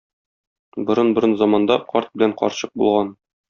Борын-борын заманда карт белән карчык булган.